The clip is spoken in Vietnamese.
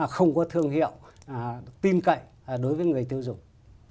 không có thương hiệu tin cậy đối với người tiêu dùng